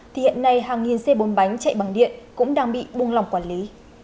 thì hiện nay hàng nghìn xe bồn bánh chạy bằng điện cũng đang bị buông lòng quản lý